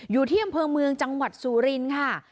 อยู่ที่อำเภอเมืองจังหวัดสุรินทร์ค่ะ